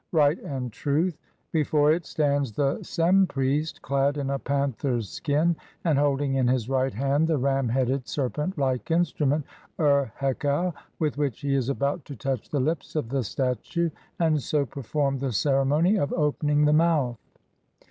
right and truth). Before it stands the Sem priest clad in a panther's skin and holding in his right hand the ram headed, serpent like instrument "Ur hekau", with which he is about to touch the lips of the statue and so perform the ceremony of "Opening the Mouth".